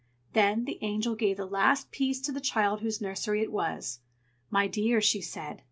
Then the Angel gave the last piece to the child whose nursery it was. "My dear!" she said.